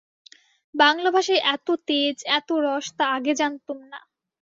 বাংলা ভাষায় এত তেজ এত রস তা আগে জানতুম না।